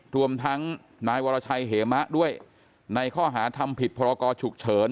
รวมทั้งนายวรชัยเหมะด้วยในข้อหาทำผิดพรกรฉุกเฉิน